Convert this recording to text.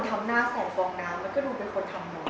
คนทำหน้าแสนฟองน้ำก็ดูเป็นคนทำนม